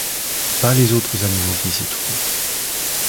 Pas les autres animaux qui s'y trouvent.